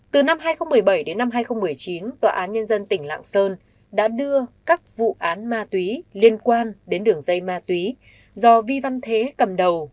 từ năm hai nghìn một mươi bảy đến năm hai nghìn một mươi chín tòa án nhân dân tỉnh lạng sơn đã đưa các vụ án ma túy liên quan đến đường dây ma túy do vi văn thế cầm đầu